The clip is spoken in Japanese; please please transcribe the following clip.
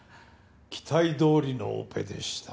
期待どおりのオペでした。